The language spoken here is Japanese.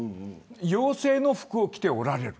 妖精の服を着ておられる。